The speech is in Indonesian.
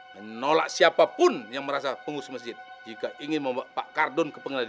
menolak siapapun yang merasa pengurus masjid jika ingin membawa pak kardun ke pengadilan